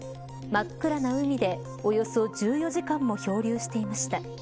真っ暗な海で、およそ１４時間も漂流していました。